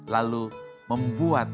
lalu memperbaiki keseimbangan kita